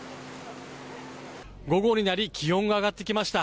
午後になり気温が上がってきました。